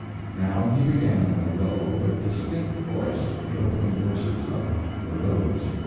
Now he began in a low but distinct voice the opening verses of The Rose.